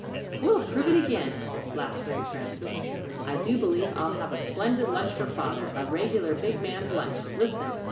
'" "We'll prove it again," laughed Mary Frances. "I do believe I'll have a splendid lunch for Father a regular big man's lunch. Listen!